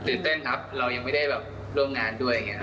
ตื่นเต้นครับเรายังไม่ได้ร่วมงานด้วย